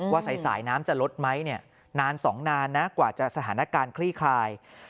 ว่าสายน้ำจะลดไหมนาน๒นานนะกว่าจะสถานการณ์คลี่คลาย